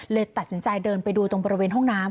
ตัดสินใจเดินไปดูตรงบริเวณห้องน้ำ